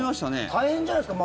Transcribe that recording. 大変じゃないですか？